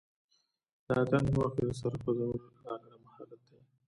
د اتن په وخت کې د سر خوځول ځانګړی مهارت دی.